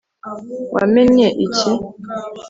wamennye iki